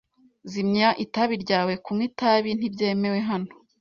Zimya itabi ryawe. Kunywa itabi ntibyemewe hano.